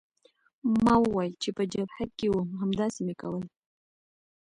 ما وویل چې په جبهه کې وم همداسې مې کول.